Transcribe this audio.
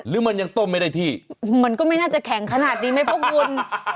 หรือมันยังต้มไม่ได้ที่มันก็ไม่น่าจะแข็งขนาดนี้ไหมเพราะคุณ